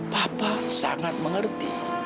papa sangat mengerti